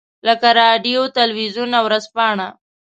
لکه رادیو، تلویزیون او ورځپاڼه.